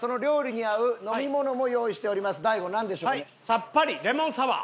さっぱりレモンサワー！